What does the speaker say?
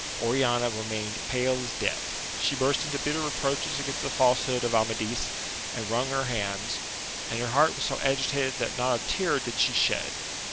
Oriana remained pale as death ; she burst into bitter reproaches against the falsehood of Amadis, and wrung her hands, and her heart was so agitated that "* not a tear did she shed.